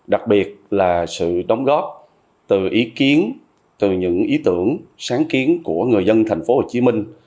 đặc biệt là sự đóng góp từ ý kiến từ những ý tưởng sáng kiến của người dân thành phố hồ chí minh